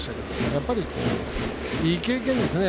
やっぱり、いい経験ですね。